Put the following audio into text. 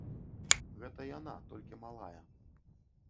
Гэта яна, толькі малая.